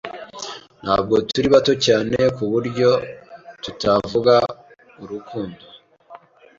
Ntabwo turi bato cyane kuburyo tutavuga urukundo.